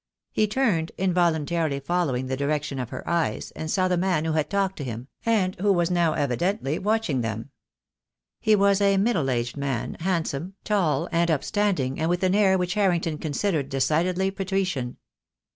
He turned, involuntarily following the direction of her eyes, and saw the man who had talked to him, and who was now evi dently watching them. He was a middle aged man, hand some, tall, and upstanding, and with an air which Harring ton considered decidedly patrician.